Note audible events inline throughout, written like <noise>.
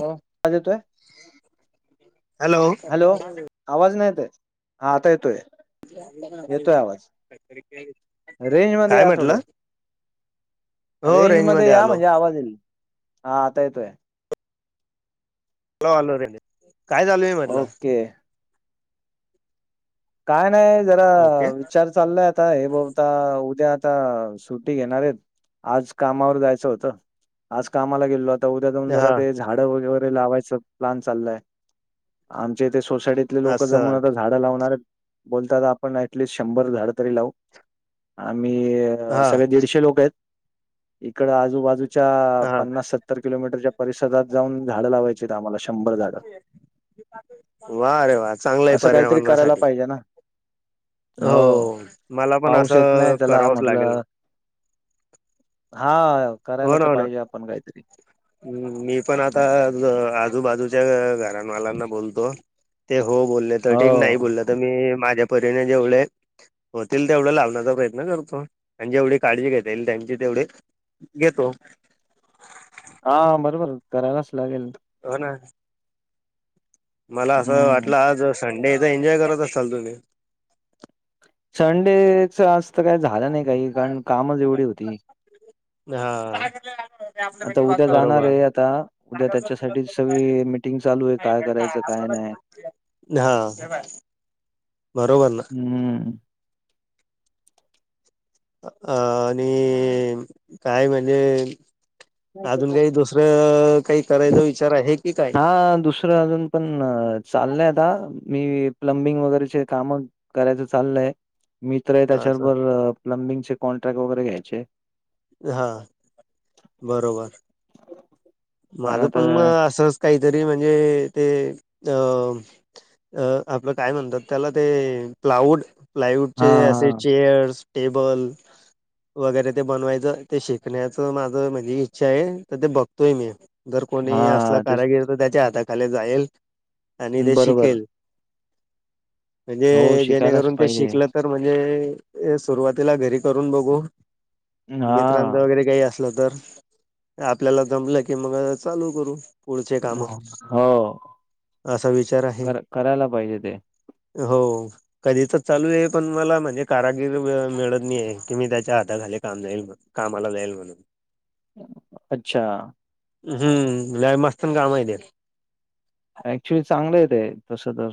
हो आवाज येतोय? <inaudible> हॅलो! आवाज नाही येते. हा आता येतोय. येतोय आवाज रेंज <inaudible> मध्ये काय या थोडं म्हटला? रेंज मध्ये या आलो म्हणजे आवाज येईल. हा आता येतोय. हला आलो रे, काय चालूय म्हणटल? ओके काय नाही जरा ओके विचार चाललाय आता हे बघता उद्या आता सुट्टी घेणार आहेत आज कामावर जायचं होतं. आज कामाला गेलोलात. आता उद्या जाऊन हा जरा ते झाडं वगे-वगैरे लावायचं प्लॅन चाललाय, आमच्या इथे सोसायटीत इथली लोकं जमून असं आता झाडं लावणार आहेत. बोलतात आपण ऍटलिस्ट शंभर झाड तरी लावू. आम्ही अ हा सगळे दीडशे लोकं आहेत. इकडं आजूबाजूच्या हा पन्नास सत्तर किलोमीटरच्या परिसरात जाऊन झाडं लावायची आहेत आम्हाला शंभर झाडं. वा रे वा चांगलं आहे पर्यावरणासाठी. हे ना, हो मला पण पाऊस येत नाही असं त्याला करावंच लागेल म्हटलं. मग. <inaudible> हा करायला तर पाहिजे आपण काहीतरी. हम् मी पण आता आजूबाजूच्या घरांवालांना बोलतो. ते हो बोलले तर ठीक नाही हो. बोललं तर मी माझ्या परीने जेवढे होतील तेवढं लावण्याचा प्रयत्न करतो आणि जेवढी काळजी घेता येईल त्यांची तेवढे घेतो. हा बरोबर आहे, करायलाच लागेल. हो ना. मला असं हं. वाटलं आज संडे आहे तर एन्जॉय करत असाल तुम्ही. संडेचं असतं काय झालं नाही काही कारण कामच एवढी होती. हा. <unintelligible> आता आपल्यापैकी, उद्या जाणार बरोबर आहे आता. उद्या त्याच्यासाठीच सगळी मीटिंग चालू आहे काय करायचं काय नाही. <unintelligible> हा. बरोबर ना. हम्म. अ आणि काय म्हणे अजून काही दुसरं काही करायचा विचार आहे की काय? हा दुस रं अजून पण चाललंय आता मी प्लंबिंग वगैरेचे कामं करायचं चाललंय मित्र आहे असं त्याच्याबरोबर प्लंमबिंगचे कॉन्ट्रॅक्ट वगैरे घ्यायचे. हा बरोबर, माझं पण असच- काहीतरी म्हणजे ते अ अ आपलं काय म्हणतात त्याला ते प्लायवूड प्लायवूड चे असे हां, चेअर्स, टेबल वगैरे ते बनवाय ते शिकण्याचं माझ म्हणी इच्छा आहे तर ते बघतोय मी. जर कोणी असला हां. तेच कारागिरी तर त्याच्या हाताखाली जाईल आणि ते बरोबर. शिकेल. हो, म्हणजे शिकायलाच जेणेकरून ते पाहिजे. शिकलं तर म्हणजे सुरुवातीला घरी करून बघू. मित्रांचं हां. वगैरे काही असलं तर, आपल्याला जमलं की मगं चालू करू. पुढचे कामं, हो, असा विचार आहे. कर करायला पाहिजे ते. <inaudible> हो. तर ही तर चालू आहे पण मला म्हणजे कारागिरी मिळत नाहीये की मी त्याच्या हाताखाली काम जाईल. कामाला जाईल म्हणून. अच्छा! हम्म लय मस्तन काम आहे ते. ऍक्च्युली चांगलं आहे ते तसं तर.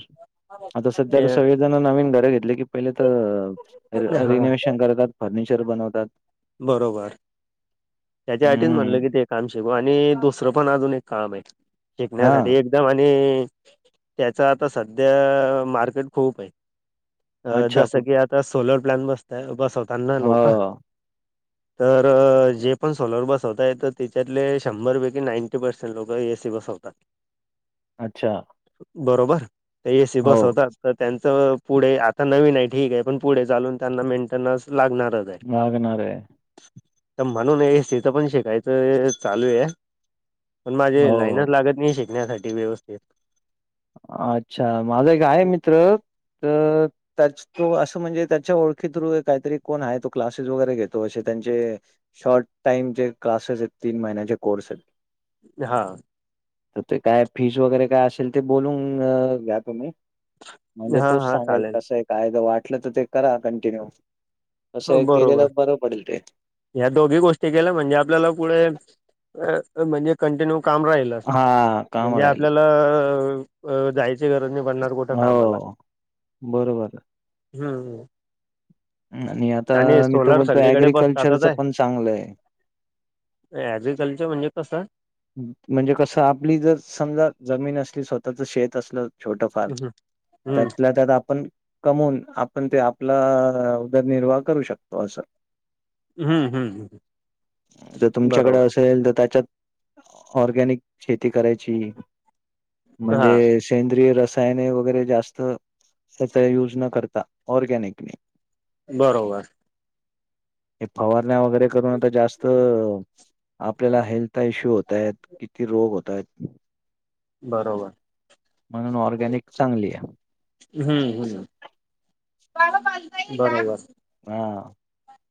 आता सध्या तर ते. सगळेजणं नवीन घरं घेतले की पहिले तर हा रिनोवेशन करतात. फर्निचर बनवतात. बरोबर, त्याच्यासाठीच हं, म्हणलं कि ते काम शिकू आणि दुसरं पण अजून एक काम आहे हां. शिकण्यासाठी एक तर म्हणे त्याचं आता सध्या मार्केट खूप आहे. अ अच्छा जसं कु की आता सोलर प्लॅन बसतय बसवताना लोकं. हो. तरं जे पण सोलर बसवता येत त्याच्यातले शंभरपैकी नाईंटी पर्सेंट लोकं ए. सी. बसवतात. <inaudible> अच्छा! बरोबर, ते ए. सी. हो बसवतात. तर त्यांचं पुढे आता नवीन आहे ठीक आहे पण पुढे चालून त्यांना मेंटेनन्स लागणारच. आहे लागणार आहे. तर म्हणून ए. सी. च पण शिकायचं चालू आहे. पण माझे हो. लाईनच लागत नाही शिकण्यासाठी व्यवस्थित. अच्छा! माझा एक आहे मित्र तर त्याच तो असं म्हणजे त्याच्या ओळखी थ्रू काहीतरी कोण आहे तो क्लासेस वगैरे घेतो असे त्यांचे. शॉर्ट टाइम जे क्लासेस आहेत तीन महिन्याचे कोर्स आहेत. हा. ते काय फीज वगैरे काय असेल ते बोलून घ्या तुम्ही. म्हणजे हा तूच हा सांगेल चालेल तसे. कायदा वाटलं तर ते करा कंटिन्यू, असं केलेलं बरं पडेल ते. या दोघी गोष्टी केल्या म्हणजे आपल्याला पुढे म्हणजे कंटिन्यू काम राहील. हा काम म्हणजे राहील. आपल्याला जायचं ची गरज नाही पडणार कुठं कामाला हो बरोबर. <unintelligible> हम्म. आणि आता आणि मी तो सोलार बोलतो सगळीकडे बसतातच अऍग्रिकल्चरच पण चांगलंय. ज्रि कल्चर म्हणजे कसं म्हणजे कसं आपली जर समजा जमीन असली स्वतःच शेत असलं. छोटफार हम्म त्यातला त्यात आपण कमवून आपण ते आपलं उदरनिर्वाह करू शकतो असं. हम्म हम्म <inaudible> जर तुमच्याकडे बरोबर असेल तर त्याच्यात ऑर्गनिक शेती करायची हा म्हणजे सेंद्रिय रसायने वगैरे जास्त त्याचा युज न करता ऑर्गनिक. बरोबर. ते फवारण्या वगैरे करून आता जास्त आपल्याला हेल्थ चे इश्यू होता येत किती रोग होत आहेत. बरोबर. म्हणून ऑर्गॅनिक चांगली आहे. हम्म हम् बरोबर. हा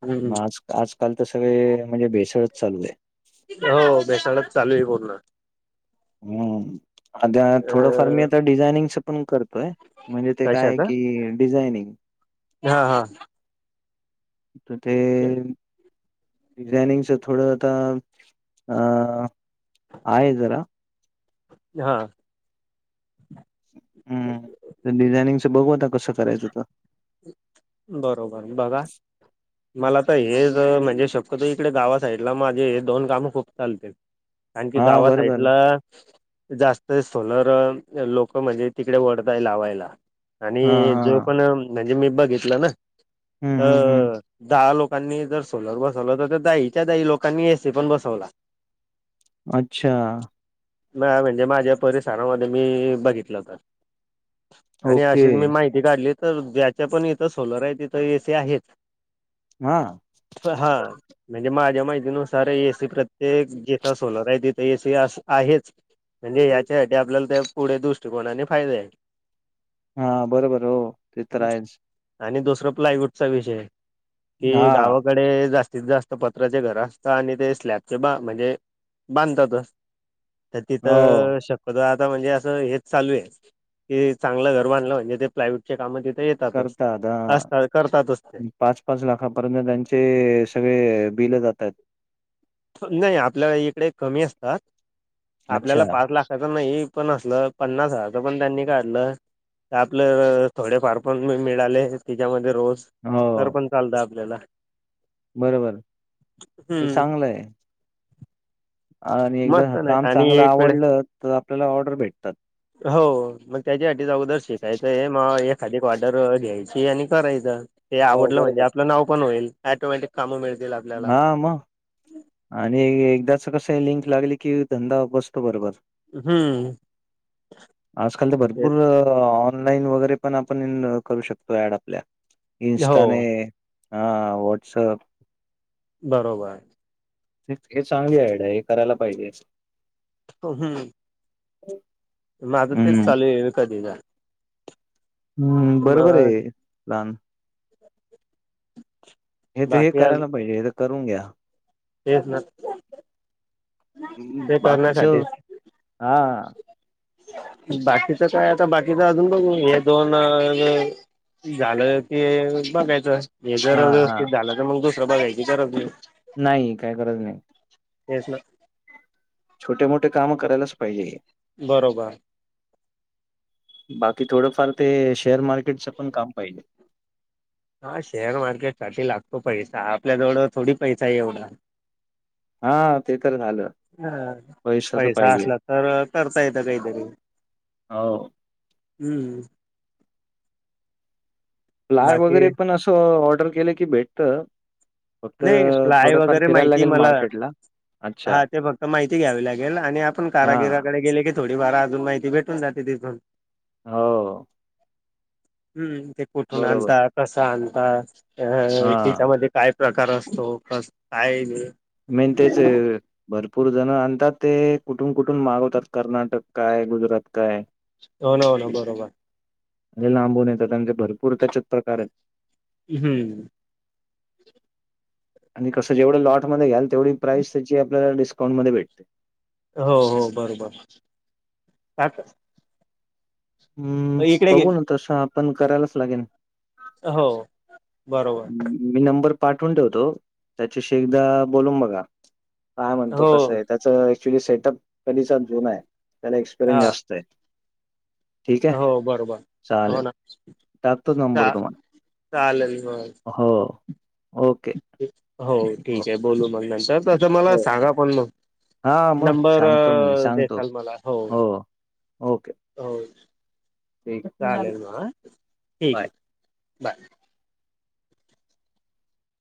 हम्म मग आज आजकाल तर सगळे म्हणजे भेसळच चालते. हो बेसाळाच चालू आहे पूर्ण. हम्म आता अ थोडंफार मी आता डिझायनिंगच पण करतोय. म्हणजे ते काय कशाच की डिझायनिंग हा हा. म्हणजे डिझायनिंगच थोडं आता अ आहे जरा. हा. हम् तर डिझायनिंगच बघू कसं करायचं <unintelligible> बरोबर बघा. मला तर हेच म्हणजे शक्यतो इकडे गावा साईडला माझे हे दोन कामं खूप चालते. आणखी हा गावा बरोबर. साइडला जास्त सोलर लोक म्हणजे तिकडे वढतय लावायला. हा आणि जो हा. पण म्हणजे मी बघितलं ना हम्म हम्म हम्म. तर दहा लोक लोकांनी जर सोलर बसवलं तर तर दाहीच्या दाही लोकांनी एस सी पण बसवला. अच्छा. हा म्हणजे माझ्या परिसरामध्ये मी बघितलं तर. आणि ओके. अशीच मी माहिती काढली तर ज्याच्या पण इथं सोलर आहे तिथं ए सी आहेत. हा. हा म्हणजे माझ्या माहितीनुसार एसी प्रत्येक जिथं सोलर आहे, तिथे एसी अस आहेच. म्हणजे याच्यासाठी आपल्याला त्या पुढील दुष्टिकोनाने फायदा आहे. हा, बरोबर हो. ते तर आहेच. आणि दुसरं प्लायवूडचा विषय की हा. गावाकडे जा तिथं जास्त पत्राचे घर असतात आणि ते स्लॅबचे बा म्हणजे बांधतातच. तर हो तिथं शक्यत आता म्हणजे असं हेच चालू आहे की चांगलं घर बांधलं म्हणजे ते प्लायवुड चे काम तिथं येत करता असतात करतातच ते. पाच-पाच लाखापर्यंत त्यांचे सगळे बिल जातात. नाही आपल्याला इकडे कमी असता. अच्छा. आपल्याला पाच लाखाच नाही पण असल पन्नास हजारचं पण त्यांनी काढलं आपलं थोडे फार पण मी मिळाले तिच्यामध्ये रोज तर हो पण चालत आपल्याला. बरोबर, हे हम्म चांगलं आहे. आणि एकदा मस्त नाही काम आणि चांगलं एक वेळ आवडलं तर आपल्याला ऑर्डर भेटतात. हो मग त्याच्यासाठी अगोदर शिकायचं आहे मा एखादी एक ऑर्डर घ्यायची आणि करायच ते हो आवडलं म्हणजे बरोबर. आपलं नाव पण होईल. ऑटोमॅटिक काम मिळतील. आपल्याला हा म. आणि एकदाच कस हे लिंक लागले कि धंदा बसतो बरोबर. हम्म. <inaudible> आजकाल तर ते भरपूर ऑनलाईन वगैरे पण आपण करू शकतो ऍड आपल्या. हो इंन्स्टाने हा वॉट्सअप. बरोबर. इतके चांगली आयडिया हे करायला पाहिजे. हम्. <unintelligible> माझं हम्म तेच चालू आहे विकत घेणार. हम्म, बरोबर मग आहे प्लॅन. <inaudible> हे तर हे बाकी आज करायला पाहिजे, हे तर करून घ्या. तेच ना. ते बाकीच करण्यासाठी. <inaudible> हा बाकीचं काय, आता बाकीच अजून बघू हे दोन मग झालं की बघायचं हे जर हा हा व्यवस्थित झालं. मग दुसरं बघायची गरज नाही. नाही, काही गरज नाही. तेच ना. छोटे-मोठे काम करायलाच पाहिजे. बरोबर. बाकी थोडंफार ते शेअर मार्केटच पण काम पाहिले. हा शेअर मार्केट साठी लागतो पैसा, आपल्याजवळं थोडी पैसा एवढा. हा ते तर झालं. हा तर पैसा पाहिजे असला तर करता येतं काहीतरी. हाव. हम्म. प्लाय बाकी वगैरे पण असं ऑर्डर केलं की भेटत. फक्त नाही प्लाय थोडंफार वगैरे फिरायला माहिती लागेल मला मार्केट ला. हा ते फक्त माहिती घ्यावी लागेल, आणि आपण हा कारागिराकडे गेले की थोडी वार अजून माहिती भेटून जाते तिथून. हो. हम्म, ते कुठून बरोबर आणता, कसं आणता. अ हा तिच्यामध्ये काय प्रकार असतो, काय मेन तेच भरपूर जण आणतात ते कुठून-कुठून मागवतात कर्नाटक काय, गुजरात काय. हो ना, हो ना बरोबर. म्हे लांबून येतात, त्यांचे भरपूर त्याचे प्रकार आहेत. हम्म. आणि कसं जेवढं लॉटमध्ये घ्याल, तेवढी प्राईस त्याची आपल्याला डिस्काउंट मध्ये भेटते. हो, हो, बरोबर का हम्म इकडे घे बघू ना तसं आपण करायलाच, लागेल. हो, बरोबर. मी नंबर पाठवून ठेवतो, त्याच्याशी एकदा बोलून बघा. काय म्हणतो हो कसं आहे, त्याच ऍक्च्युली सेटअप कलीचा जुणा आहे. त्याला हा एक्सपरिनस जास्त आहे. <inaudible> आहे हो बरोबर, हो चालेल ना, टाकतो नंबर चा तुम्हाला चालेल मग. हो ओके. हो ठीक आहे बोलू मग नंतर तसं मला हो सांगा पण मग हां मग नंबर, सांगतो मी सांगतो देसाल मला हो. ओके <inaudible> हो, ठीक आहे चालेल म बाय. ठीक आहे, बाय.